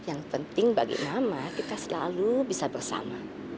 yang penting bagi mama kita selalu bisa bersama